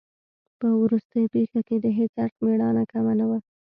په وروستۍ پېښه کې د هیڅ اړخ مېړانه کمه نه وه.